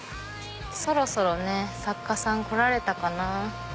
そろそろね作家さん来られたかな。